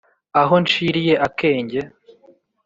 Aho nshiliye akenge